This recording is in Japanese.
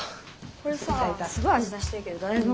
これさあすごい味出してるけど誰の？